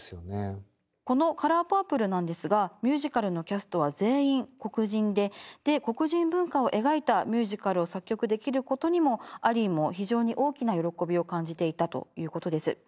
この「カラーパープル」なんですがミュージカルのキャストは全員黒人でで黒人文化を描いたミュージカルを作曲できることにもアリーも非常に大きな喜びを感じていたということです。